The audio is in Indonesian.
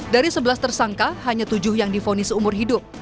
dari sebelas tersangka hanya tujuh yang difonis umur hidup